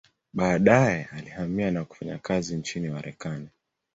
Baadaye alihamia na kufanya kazi nchini Marekani.